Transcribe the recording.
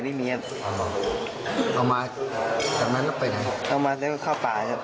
ถังแมนไปมานะต่อไปตรงขี่มานะก็ที่แต่ไกลครับก็ถึงแดบ